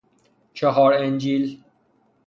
چﮩار انجیل